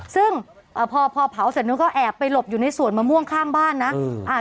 ซึ่งพอเผาเสร็จนึกก็แอบไปหลบอยู่ในสวนมะม่วงข้างบ้านนะ